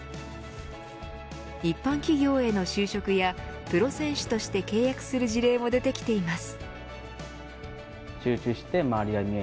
一般企業への就職やプロ選手として契約する事例も出てきています。